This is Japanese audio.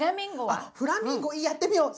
あっフラミンゴやってみよう！